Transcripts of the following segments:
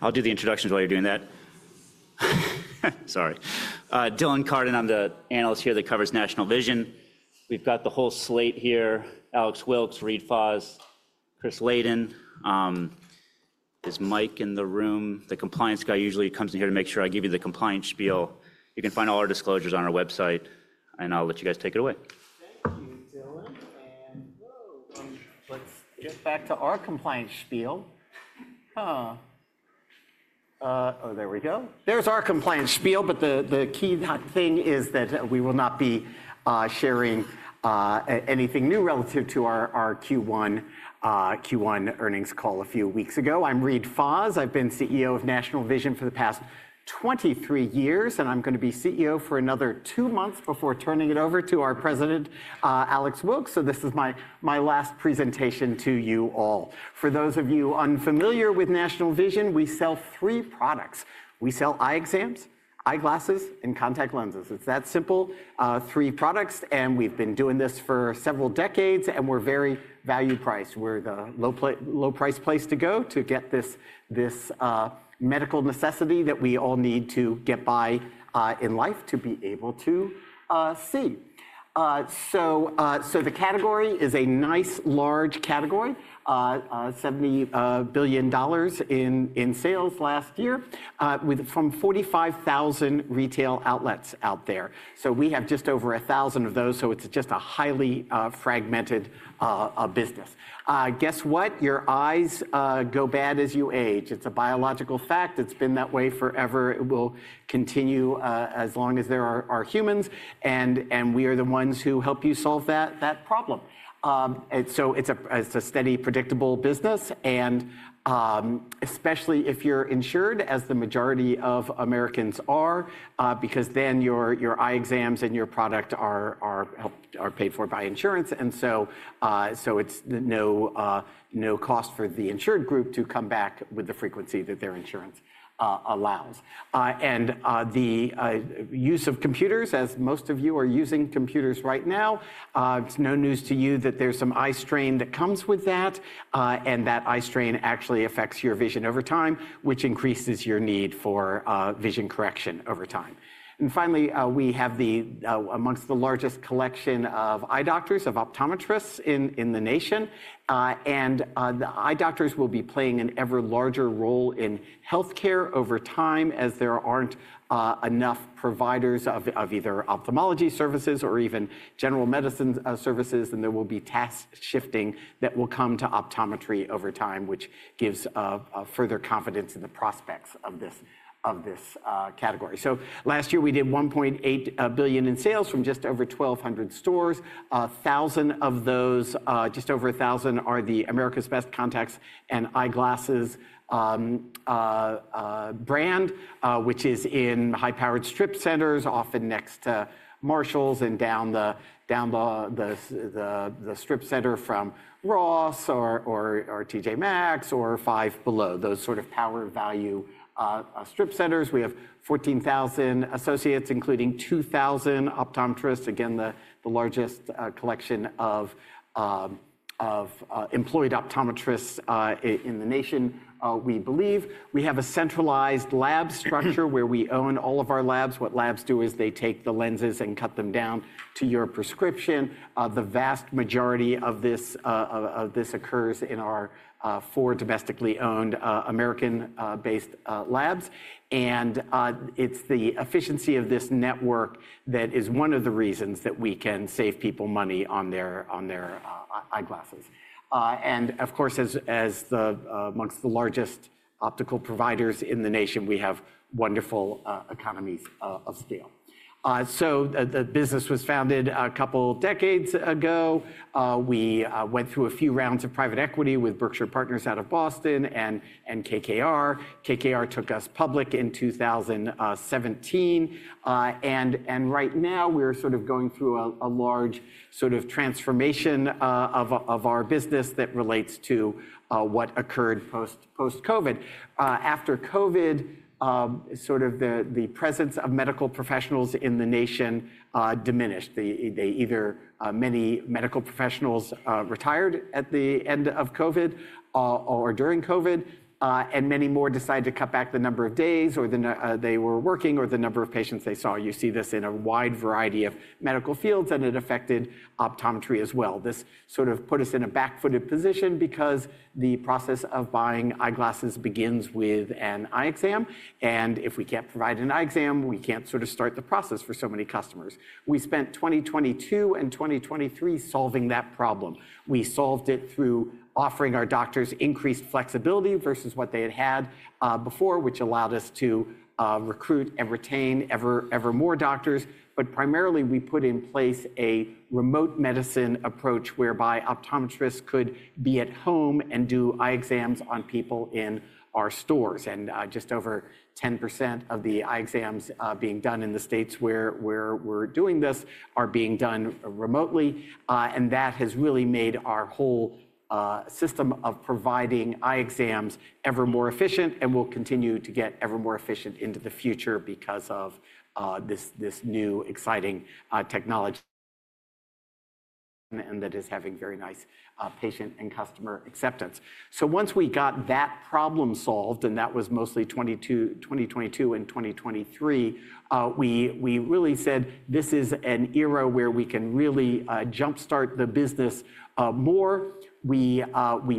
I'll do the introduction while you're doing that. Sorry. Dylan Carden, I'm the Analyst here that covers National Vision. We've got the whole slate here: Alex Wilkes, Reade Fahs, Chris Laden. There's Mike in the room. The compliance guy usually comes in here to make sure I give you the compliance spiel. You can find all our disclosures on our website, and I'll let you guys take it away. Thank you, Dylan. Whoa. Let's get back to our compliance spiel. Oh, there we go. There's our compliance spiel, but the key thing is that we will not be sharing anything new relative to our Q1 earnings call a few weeks ago. I'm Reade Fahs. I've been CEO of National Vision for the past 23 years, and I'm going to be CEO for another two months before turning it over to our President, Alex Wilkes. This is my last presentation to you all. For those of you unfamiliar with National Vision, we sell three products. We sell eye exams, eyeglasses, and contact lenses. It's that simple. Three products. We've been doing this for several decades, and we're very value-priced. We're the low-priced place to go to get this medical necessity that we all need to get by in life to be able to see. The category is a nice large category: $70 billion in sales last year from 45,000 retail outlets out there. We have just over 1,000 of those, so it is just a highly fragmented business. Guess what? Your eyes go bad as you age. It is a biological fact. It has been that way forever. It will continue as long as there are humans, and we are the ones who help you solve that problem. It is a steady, predictable business, especially if you are insured, as the majority of Americans are, because then your eye exams and your product are paid for by insurance. It is no cost for the insured group to come back with the frequency that their insurance allows. The use of computers, as most of you are using computers right now, it's no news to you that there's some eye strain that comes with that, and that eye strain actually affects your vision over time, which increases your need for vision correction over time. Finally, we have amongst the largest collection of eye doctors, of optometrists in the nation. The eye doctors will be playing an ever larger role in healthcare over time, as there aren't enough providers of either ophthalmology services or even general medicine services, and there will be task shifting that will come to optometry over time, which gives further confidence in the prospects of this category. Last year, we did $1.8 billion in sales from just over 1,200 stores. 1,000 of those, just over 1,000, are the America's Best Contacts and Eyeglasses brand, which is in high-powered strip centers, often next to Marshalls and down the strip center from Ross or TJ Maxx or Five Below, those sort of power-value strip centers. We have 14,000 associates, including 2,000 optometrists, again, the largest collection of employed optometrists in the nation, we believe. We have a centralized lab structure where we own all of our labs. What labs do is they take the lenses and cut them down to your prescription. The vast majority of this occurs in our four domestically owned American-based labs. It is the efficiency of this network that is one of the reasons that we can save people money on their eyeglasses. Of course, amongst the largest optical providers in the nation, we have wonderful economies of scale. The business was founded a couple of decades ago. We went through a few rounds of private equity with Berkshire Partners out of Boston and KKR. KKR took us public in 2017. Right now, we're sort of going through a large sort of transformation of our business that relates to what occurred post-COVID. After COVID, sort of the presence of medical professionals in the nation diminished. Many medical professionals retired at the end of COVID or during COVID, and many more decided to cut back the number of days they were working or the number of patients they saw. You see this in a wide variety of medical fields, and it affected optometry as well. This sort of put us in a back-footed position because the process of buying eyeglasses begins with an eye exam. If we can't provide an eye exam, we can't sort of start the process for so many customers. We spent 2022 and 2023 solving that problem. We solved it through offering our doctors increased flexibility versus what they had had before, which allowed us to recruit and retain ever more doctors. Primarily, we put in place a remote medicine approach whereby optometrists could be at home and do eye exams on people in our stores. Just over 10% of the eye exams being done in the states where we're doing this are being done remotely. That has really made our whole system of providing eye exams ever more efficient and will continue to get ever more efficient into the future because of this new exciting technology, and that is having very nice patient and customer acceptance. Once we got that problem solved, and that was mostly 2022 and 2023, we really said, "This is an era where we can really jump-start the business more." We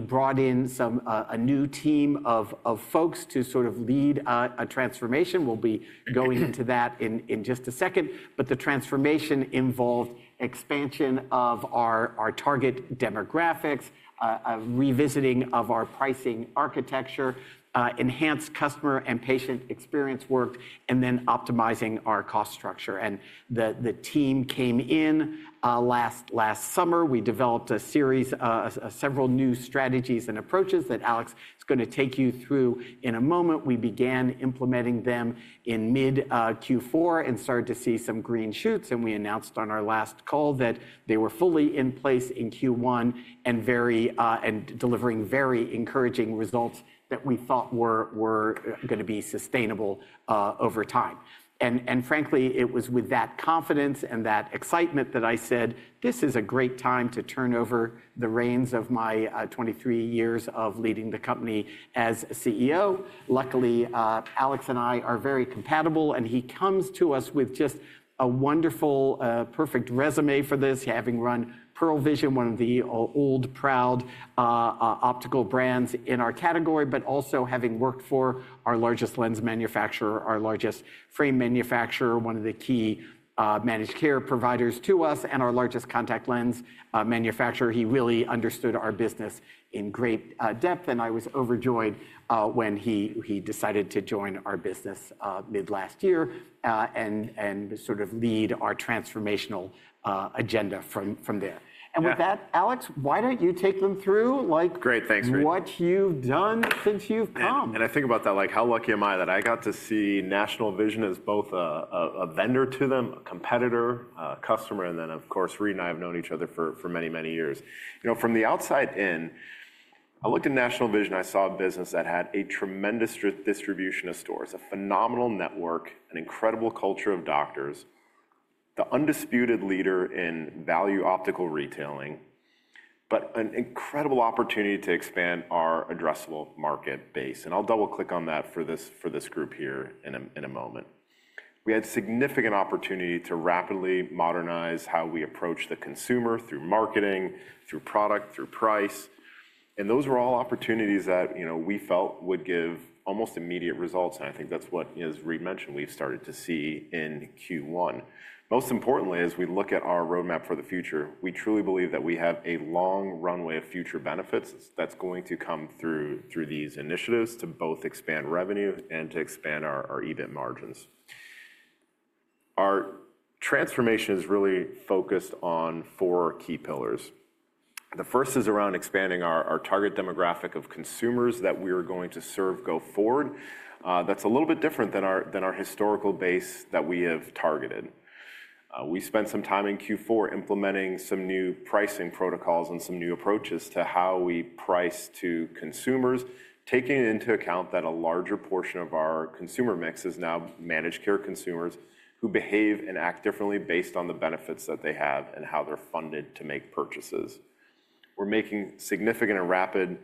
brought in a new team of folks to sort of lead a transformation. We will be going into that in just a second. The transformation involved expansion of our target demographics, revisiting of our pricing architecture, enhanced customer and patient experience work, and then optimizing our cost structure. The team came in last summer. We developed a series of several new strategies and approaches that Alex is going to take you through in a moment. We began implementing them in mid-Q4 and started to see some green shoots. We announced on our last call that they were fully in place in Q1 and delivering very encouraging results that we thought were going to be sustainable over time. Frankly, it was with that confidence and that excitement that I said, "This is a great time to turn over the reins of my 23 years of leading the company as CEO." Luckily, Alex and I are very compatible, and he comes to us with just a wonderful, perfect resume for this, having run Pearle Vision, one of the old, proud optical brands in our category, but also having worked for our largest lens manufacturer, our largest frame manufacturer, one of the key managed care providers to us, and our largest contact lens manufacturer. He really understood our business in great depth, and I was overjoyed when he decided to join our business mid-last year and sort of lead our transformational agenda from there. With that, Alex, why do you not take them through what you have done since you have come? I think about that, like, how lucky am I that I got to see National Vision as both a vendor to them, a competitor, a customer, and then, of course, Reade and I have known each other for many, many years. From the outside in, I looked at National Vision. I saw a business that had a tremendous distribution of stores, a phenomenal network, an incredible culture of doctors, the undisputed leader in value optical retailing, but an incredible opportunity to expand our addressable market base. I'll double-click on that for this group here in a moment. We had significant opportunity to rapidly modernize how we approach the consumer through marketing, through product, through price. Those were all opportunities that we felt would give almost immediate results. I think that's what, as Reade mentioned, we've started to see in Q1. Most importantly, as we look at our roadmap for the future, we truly believe that we have a long runway of future benefits that's going to come through these initiatives to both expand revenue and to expand our EBIT margins. Our transformation is really focused on four key pillars. The first is around expanding our target demographic of consumers that we are going to serve go forward. That's a little bit different than our historical base that we have targeted. We spent some time in Q4 implementing some new pricing protocols and some new approaches to how we price to consumers, taking into account that a larger portion of our consumer mix is now managed care consumers who behave and act differently based on the benefits that they have and how they're funded to make purchases. We're making significant and rapid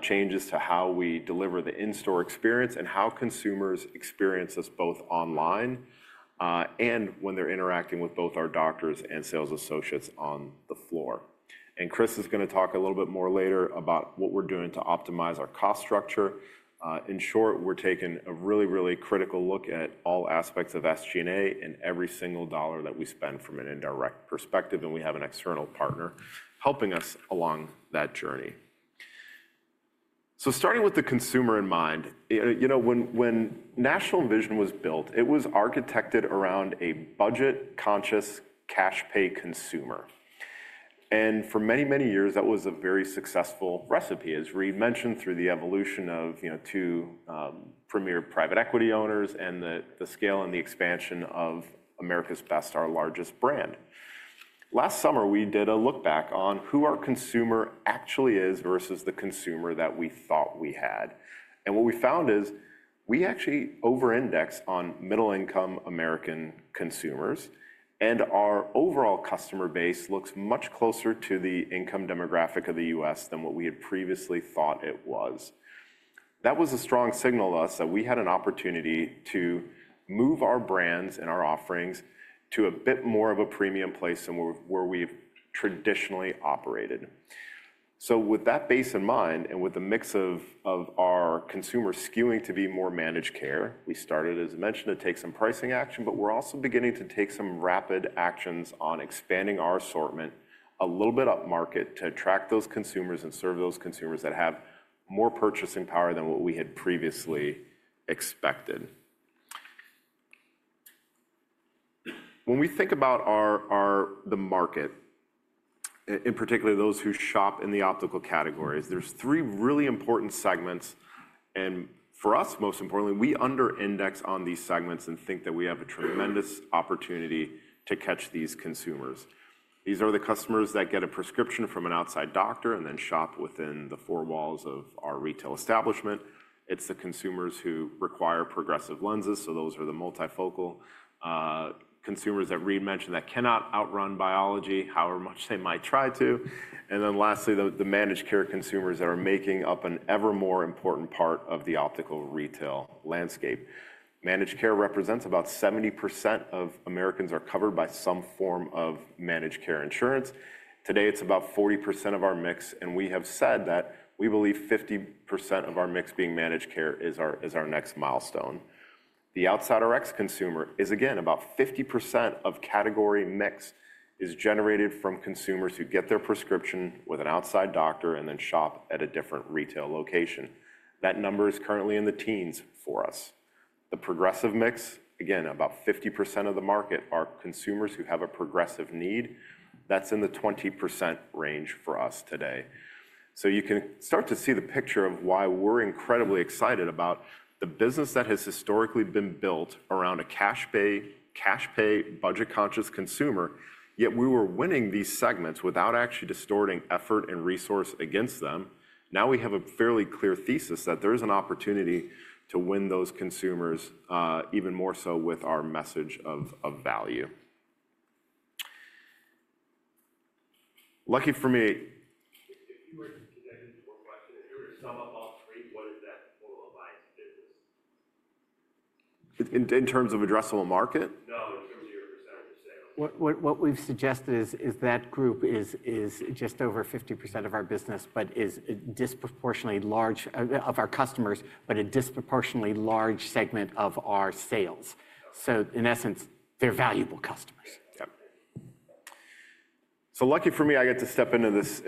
changes to how we deliver the in-store experience and how consumers experience us both online and when they're interacting with both our doctors and sales associates on the floor. Chris is going to talk a little bit more later about what we're doing to optimize our cost structure. In short, we're taking a really, really critical look at all aspects of SG&A and every single dollar that we spend from an indirect perspective. We have an external partner helping us along that journey. Starting with the consumer in mind, when National Vision was built, it was architected around a budget-conscious, cash-pay consumer. For many, many years, that was a very successful recipe, as Reade mentioned, through the evolution of two premier private equity owners and the scale and the expansion of America's Best, our largest brand. Last summer, we did a look back on who our consumer actually is versus the consumer that we thought we had. What we found is we actually over-index on middle-income American consumers, and our overall customer base looks much closer to the income demographic of the U.S. than what we had previously thought it was. That was a strong signal to us that we had an opportunity to move our brands and our offerings to a bit more of a premium place than where we've traditionally operated. With that base in mind and with the mix of our consumers skewing to be more managed care, we started, as I mentioned, to take some pricing action, but we're also beginning to take some rapid actions on expanding our assortment a little bit upmarket to attract those consumers and serve those consumers that have more purchasing power than what we had previously expected. When we think about the market, in particular, those who shop in the optical categories, there are three really important segments. For us, most importantly, we under-index on these segments and think that we have a tremendous opportunity to catch these consumers. These are the customers that get a prescription from an outside doctor and then shop within the four walls of our retail establishment. It is the consumers who require progressive lenses. Those are the multifocal consumers that Reade mentioned that cannot outrun biology, however much they might try to. Lastly, the managed care consumers are making up an ever more important part of the optical retail landscape. Managed care represents about 70% of Americans who are covered by some form of managed care insurance. Today, it is about 40% of our mix. We have said that we believe 50% of our mix being managed care is our next milestone. The outside or X consumer is, again, about 50% of category mix is generated from consumers who get their prescription with an outside doctor and then shop at a different retail location. That number is currently in the teens for us. The progressive mix, again, about 50% of the market are consumers who have a progressive need. That is in the 20% range for us today. You can start to see the picture of why we're incredibly excited about the business that has historically been built around a cash-pay, budget-conscious consumer. Yet we were winning these segments without actually distorting effort and resource against them. Now we have a fairly clear thesis that there is an opportunity to win those consumers, even more so with our message of value. Lucky for me. If you were to do one question, if you were to sum up all three, what is that total of buying to business? In terms of addressable market? No, in terms of your percentage of sales? What we've suggested is that group is just over 50% of our business, but is disproportionately large of our customers, but a disproportionately large segment of our sales. In essence, they're valuable customers. Yep. Lucky for me, I get to step into this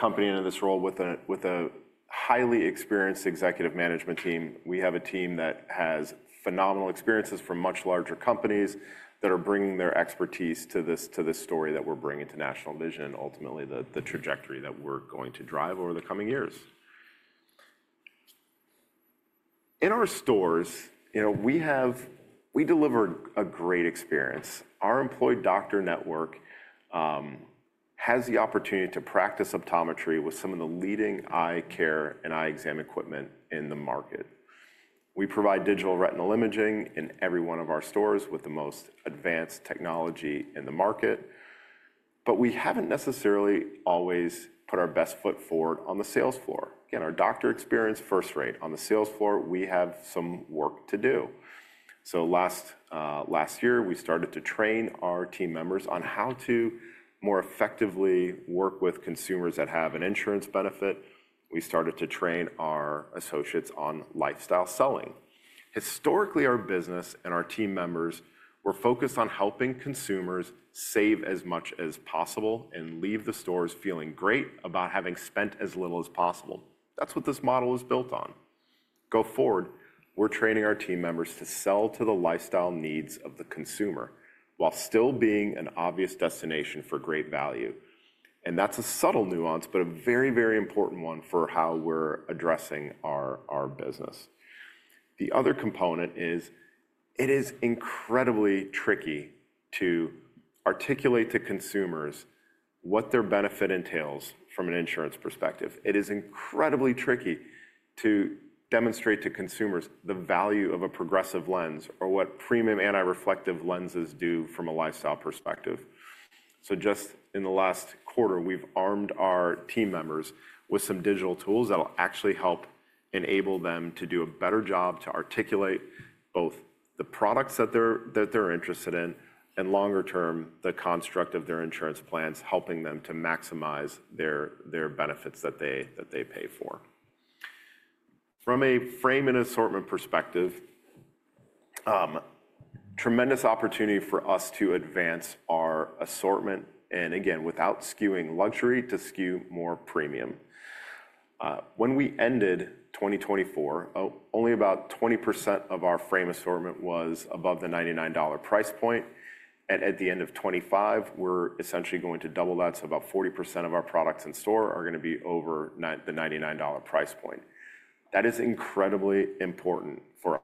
company, into this role with a highly experienced executive management team. We have a team that has phenomenal experiences from much larger companies that are bringing their expertise to this story that we are bringing to National Vision and ultimately the trajectory that we are going to drive over the coming years. In our stores, we deliver a great experience. Our employed doctor network has the opportunity to practice optometry with some of the leading eye care and eye exam equipment in the market. We provide digital retinal imaging in every one of our stores with the most advanced technology in the market. We have not necessarily always put our best foot forward on the sales floor. Again, our doctor experience is first rate. On the sales floor, we have some work to do. Last year, we started to train our team members on how to more effectively work with consumers that have an insurance benefit. We started to train our associates on lifestyle selling. Historically, our business and our team members were focused on helping consumers save as much as possible and leave the stores feeling great about having spent as little as possible. That is what this model is built on. Go forward, we are training our team members to sell to the lifestyle needs of the consumer while still being an obvious destination for great value. That is a subtle nuance, but a very, very important one for how we are addressing our business. The other component is it is incredibly tricky to articulate to consumers what their benefit entails from an insurance perspective. It is incredibly tricky to demonstrate to consumers the value of a progressive lens or what premium anti-reflective lenses do from a lifestyle perspective. Just in the last quarter, we've armed our team members with some digital tools that'll actually help enable them to do a better job to articulate both the products that they're interested in and, longer term, the construct of their insurance plans, helping them to maximize their benefits that they pay for. From a frame and assortment perspective, tremendous opportunity for us to advance our assortment and, again, without skewing luxury, to skew more premium. When we ended 2024, only about 20% of our frame assortment was above the $99 price point. At the end of 2025, we're essentially going to double that. About 40% of our products in store are going to be over the $99 price point. That is incredibly important for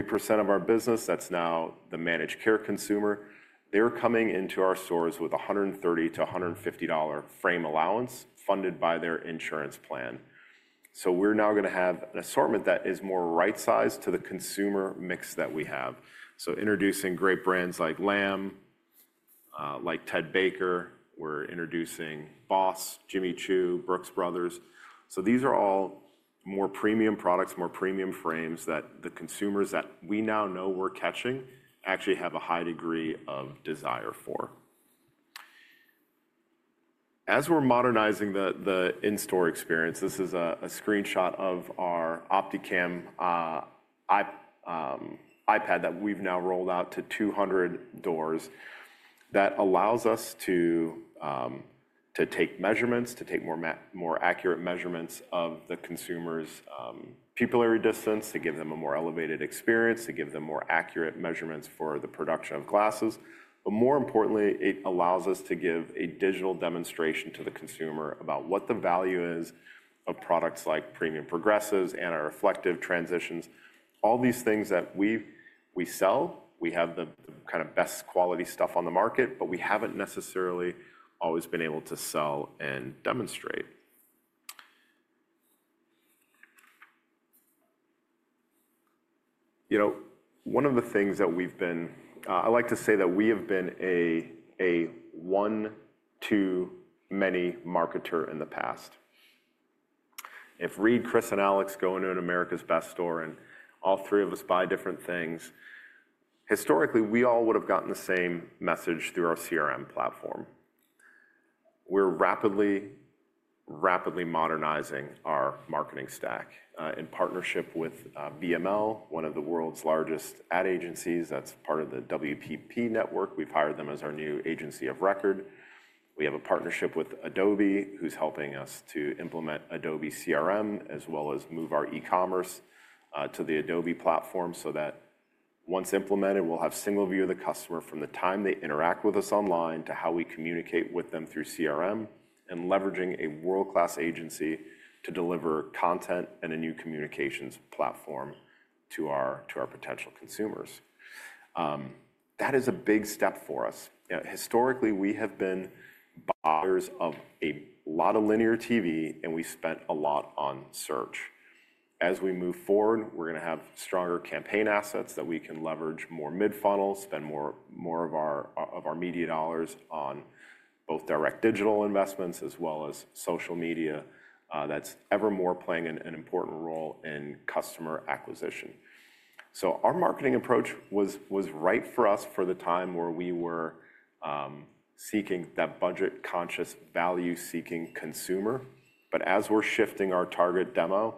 80% of our business. That's now the managed care consumer. They're coming into our stores with a $130-$150 frame allowance funded by their insurance plan. We're now going to have an assortment that is more right-sized to the consumer mix that we have. Introducing great brands like Lam, like Ted Baker. We're introducing Boss, Jimmy Choo, Brooks Brothers. These are all more premium products, more premium frames that the consumers that we now know we're catching actually have a high degree of desire for. As we're modernizing the in-store experience, this is a screenshot of our Optikam iPad that we've now rolled out to 200 doors that allows us to take measurements, to take more accurate measurements of the consumer's pupillary distance, to give them a more elevated experience, to give them more accurate measurements for the production of glasses. More importantly, it allows us to give a digital demonstration to the consumer about what the value is of products like premium progressives, anti-reflective, transitions, all these things that we sell. We have the kind of best quality stuff on the market, but we have not necessarily always been able to sell and demonstrate. One of the things that we have been, I like to say that we have been a one-to-many marketer in the past. If Reade, Chris, and Alex go into an America's Best store and all three of us buy different things, historically, we all would have gotten the same message through our CRM platform. We are rapidly, rapidly modernizing our marketing stack in partnership with VML, one of the world's largest ad agencies. That is part of the WPP network. We have hired them as our new agency of record. We have a partnership with Adobe, who's helping us to implement Adobe CRM, as well as move our e-commerce to the Adobe platform so that once implemented, we'll have single view of the customer from the time they interact with us online to how we communicate with them through CRM and leveraging a world-class agency to deliver content and a new communications platform to our potential consumers. That is a big step for us. Historically, we have been buyers of a lot of linear TV, and we spent a lot on search. As we move forward, we're going to have stronger campaign assets that we can leverage more mid-funnel, spend more of our media dollars on both direct digital investments as well as social media. That's ever more playing an important role in customer acquisition. Our marketing approach was right for us for the time where we were seeking that budget-conscious, value-seeking consumer. As we're shifting our target demo,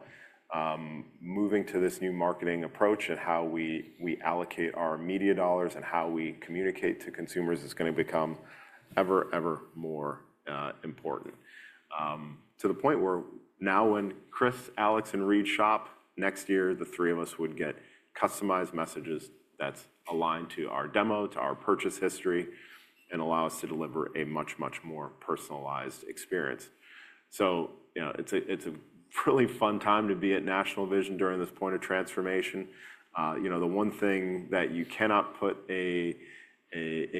moving to this new marketing approach and how we allocate our media dollars and how we communicate to consumers is going to become ever, ever more important. To the point where now when Chris, Alex, and Reade shop next year, the three of us would get customized messages that's aligned to our demo, to our purchase history, and allow us to deliver a much, much more personalized experience. It is a really fun time to be at National Vision during this point of transformation. The one thing that you cannot put a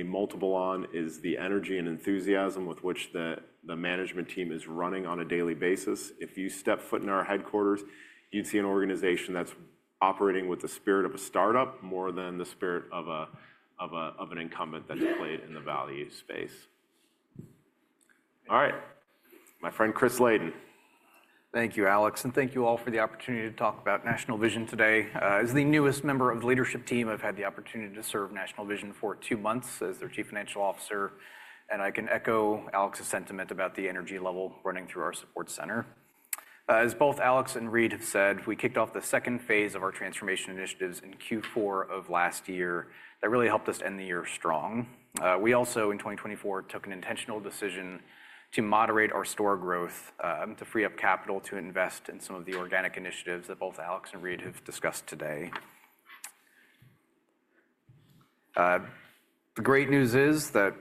multiple on is the energy and enthusiasm with which the management team is running on a daily basis. If you step foot in our headquarters, you'd see an organization that's operating with the spirit of a startup more than the spirit of an incumbent that's played in the value space. All right. My friend Chris Laden. Thank you, Alex. Thank you all for the opportunity to talk about National Vision today. As the newest member of the leadership team, I've had the opportunity to serve National Vision for two months as their Chief Financial Officer. I can echo Alex's sentiment about the energy level running through our support center. As both Alex and Reade have said, we kicked off the second phase of our transformation initiatives in Q4 of last year that really helped us end the year strong. In 2024, we took an intentional decision to moderate our store growth to free up capital to invest in some of the organic initiatives that both Alex and Reade have discussed today. The great news is that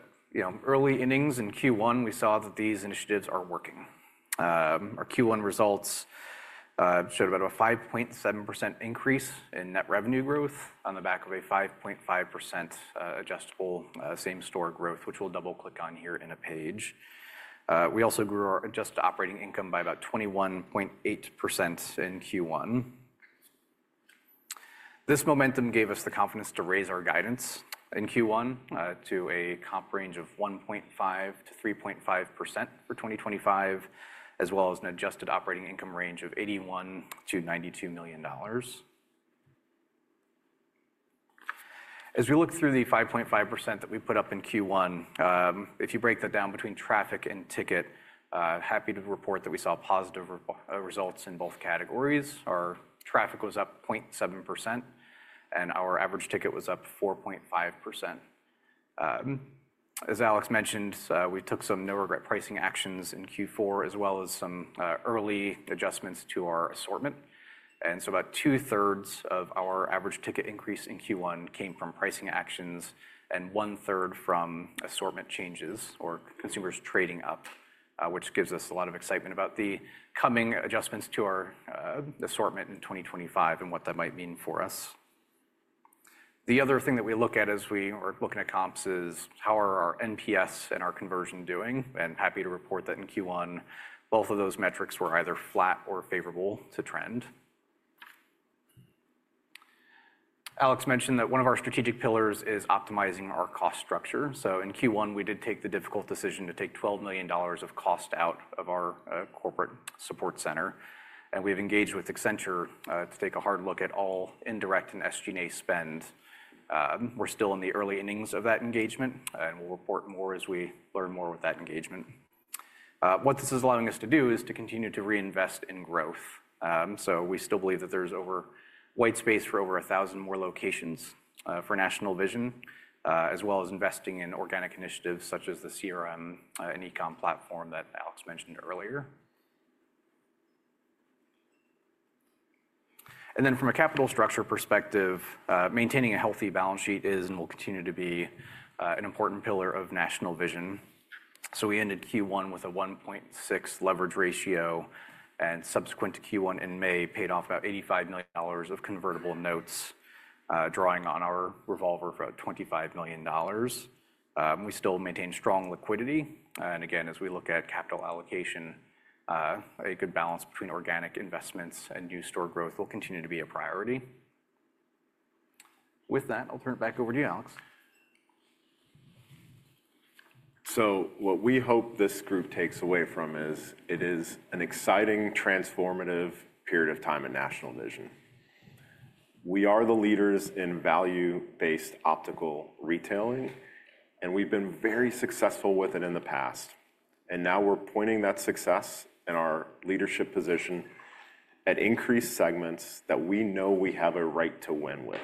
early innings in Q1, we saw that these initiatives are working. Our Q1 results showed about a 5.7% increase in net revenue growth on the back of a 5.5% adjustable same-store growth, which we'll double-click on here in a page. We also grew our adjusted operating income by about 21.8% in Q1. This momentum gave us the confidence to raise our guidance in Q1 to a comp range of 1.5-3.5% for 2025, as well as an adjusted operating income range of $81-$92 million. As we look through the 5.5% that we put up in Q1, if you break that down between traffic and ticket, happy to report that we saw positive results in both categories. Our traffic was up 0.7%, and our average ticket was up 4.5%. As Alex mentioned, we took some no-regret pricing actions in Q4, as well as some early adjustments to our assortment. About two-thirds of our average ticket increase in Q1 came from pricing actions and one-third from assortment changes or consumers trading up, which gives us a lot of excitement about the coming adjustments to our assortment in 2025 and what that might mean for us. The other thing that we look at as we are looking at comps is how are our NPS and our conversion doing. Happy to report that in Q1, both of those metrics were either flat or favorable to trend. Alex mentioned that one of our strategic pillars is optimizing our cost structure. In Q1, we did take the difficult decision to take $12 million of cost out of our corporate support center. We have engaged with Accenture to take a hard look at all indirect and SG&A spend. We're still in the early innings of that engagement, and we'll report more as we learn more with that engagement. What this is allowing us to do is to continue to reinvest in growth. We still believe that there's over white space for over 1,000 more locations for National Vision, as well as investing in organic initiatives such as the CRM and e-com platform that Alex mentioned earlier. From a capital structure perspective, maintaining a healthy balance sheet is and will continue to be an important pillar of National Vision. We ended Q1 with a 1.6 leverage ratio, and subsequent to Q1 in May, paid off about $85 million of convertible notes, drawing on our revolver for about $25 million. We still maintain strong liquidity. As we look at capital allocation, a good balance between organic investments and new store growth will continue to be a priority. With that, I'll turn it back over to you, Alex. What we hope this group takes away from is it is an exciting, transformative period of time in National Vision. We are the leaders in value-based optical retailing, and we've been very successful with it in the past. Now we're pointing that success and our leadership position at increased segments that we know we have a right to win with.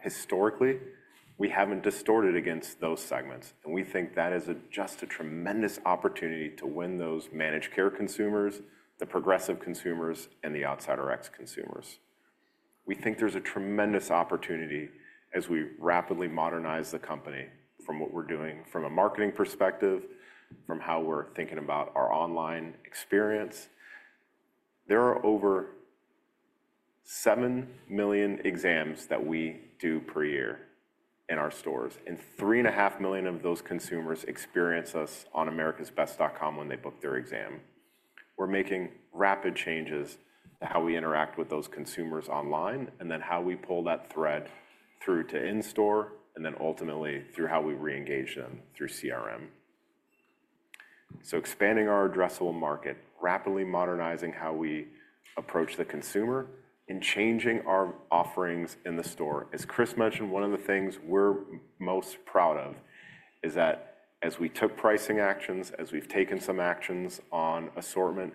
Historically, we haven't distorted against those segments. We think that is just a tremendous opportunity to win those managed care consumers, the progressive consumers, and the outside RX consumers. We think there's a tremendous opportunity as we rapidly modernize the company from what we're doing from a marketing perspective, from how we're thinking about our online experience. There are over 7 million exams that we do per year in our stores. $3.5 million of those consumers experience us on americasbest.com when they book their exam. We're making rapid changes to how we interact with those consumers online and then how we pull that thread through to in-store and then ultimately through how we reengage them through CRM. Expanding our addressable market, rapidly modernizing how we approach the consumer, and changing our offerings in the store. As Chris mentioned, one of the things we're most proud of is that as we took pricing actions, as we've taken some actions on assortment,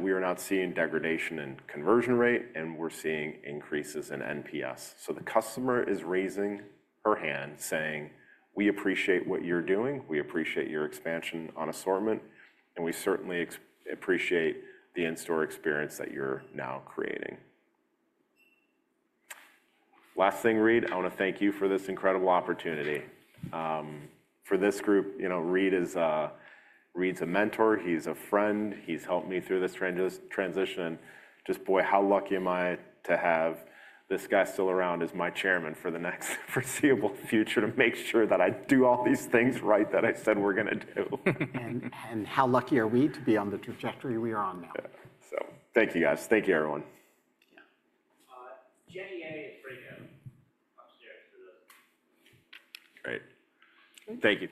we are not seeing degradation in conversion rate, and we're seeing increases in NPS. The customer is raising her hand saying, "We appreciate what you're doing. We appreciate your expansion on assortment. And we certainly appreciate the in-store experience that you're now creating." Last thing, Reade, I want to thank you for this incredible opportunity. For this group, Reade is a mentor. He's a friend. He's helped me through this transition. Just, boy, how lucky am I to have this guy still around as my Chairman for the next foreseeable future to make sure that I do all these things right that I said we're going to do. How lucky are we to be on the trajectory we are on now? Yeah. Thank you, guys. Thank you, everyone. Yeah. Great. Thank you.